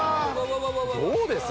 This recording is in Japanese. どうです？